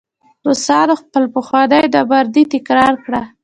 روسانو خپله پخوانۍ نامردي تکرار کړه.